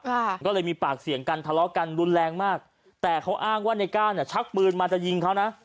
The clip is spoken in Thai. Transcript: ค่ะก็เลยมีปากเสียงกันทะเลาะกันรุนแรงมากแต่เขาอ้างว่าในก้านอ่ะชักปืนมาจะยิงเขานะ